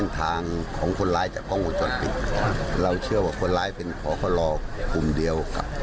ถ้าเจ้ากล้องเนี่ย